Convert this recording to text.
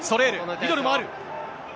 ミドルもある。